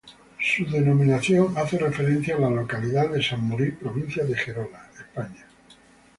Su denominación hace referencia a la localidad de San Mori, provincia de Gerona, España.